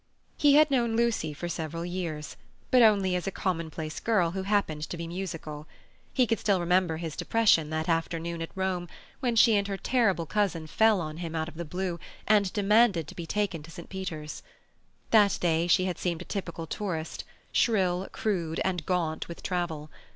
He had known Lucy for several years, but only as a commonplace girl who happened to be musical. He could still remember his depression that afternoon at Rome, when she and her terrible cousin fell on him out of the blue, and demanded to be taken to St. Peter's. That day she had seemed a typical tourist—shrill, crude, and gaunt with travel.